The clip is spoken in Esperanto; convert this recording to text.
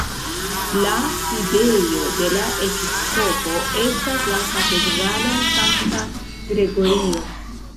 La sidejo de la episkopo estas la katedralo Sankta Gregorio.